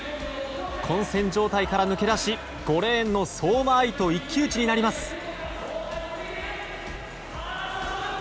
混戦状態から抜け出し５レーンの相馬あいと一騎打ちになります。